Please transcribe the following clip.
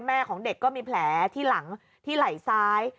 ของเด็กก็มีแผลที่หลังที่ไหล่ซ้าย